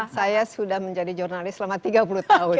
saya sudah menjadi jurnalis selama tiga puluh tahun